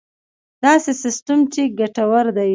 داسې سیستم چې ګټور وي.